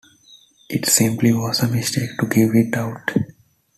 It simply was a mistake to give it out.